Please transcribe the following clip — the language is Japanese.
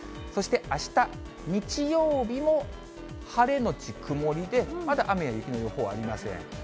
そして、あした日曜日も晴れ後曇りで、まだ雨や雪の予報はありません。